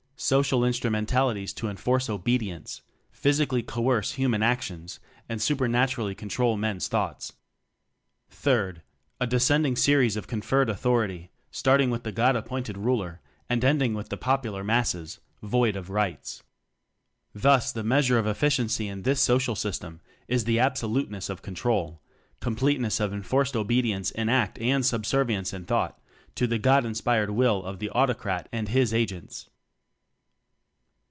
Social instrumentalities to en force obedience physically coerce hu man actions, and super naturally con trol men's thoughts. 3. A descending series of conferred authority starting with the "God ap oointed Ruler" and ending with the popular "masses" void of rights. Thus ^the measure of efficiency in this social system is the absoluteness of control completeness of en forced obedience in act and subservi ence in thought to the "God inspired will" of the Autocrat and his Agents.